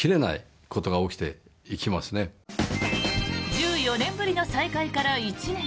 １４年ぶりの再会から１年。